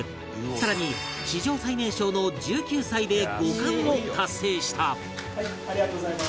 更に史上最年少の１９歳で５冠を達成した